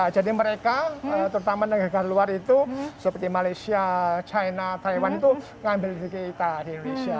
jadi mereka terutama negara luar itu seperti malaysia china taiwan tuh ngambil kita di indonesia